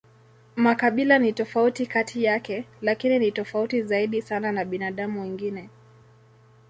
Makabila ni tofauti kati yake, lakini ni tofauti zaidi sana na binadamu wengine.